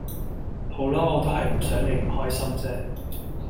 好啦我都係唔想你唔開心啫